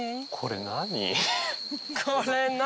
これ何？